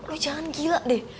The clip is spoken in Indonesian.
lo jangan gila deh